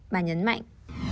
bà nhấn mạnh